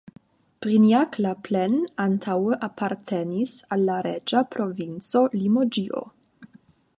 Brignac-la-Plaine antaŭe apartenis al la reĝa provinco Limoĝio.